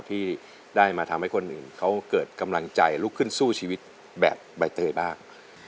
ที่ได้มาทำให้คนอื่นเขาเกิดกำลังใจลุกขึ้นสู้ชีวิตแบบใบเตยบ้าง